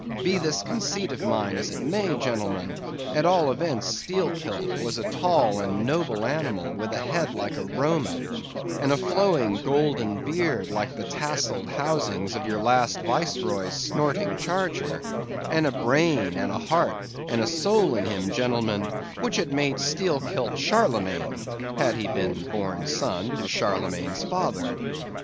Be this conceit of mine as it may, gentlemen, at all events Steelkilt was a tall and noble animal with a head like a Roman, and a flowing golden beard like the tasseled housings of your last viceroy's snorting charger; and a brain, and a heart, and a soul in him, gentlemen, which had made Steelkilt Charlemagne, had he been born son to Charlemagne's father.